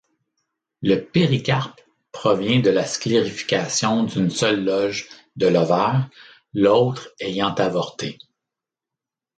Le péricarpe provient de la sclérification d'une seule loge de l'ovaire, l'autre ayant avorté.